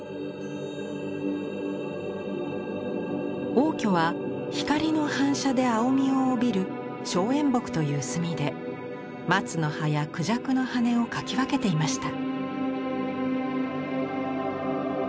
応挙は光の反射で青みを帯びる「松煙墨」という墨で松の葉や孔雀の羽を描き分けていました。